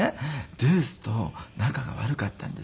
ドゥースと仲が悪かったんですよ。